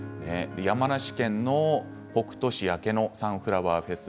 山梨県北杜市明野サンフラワーフェス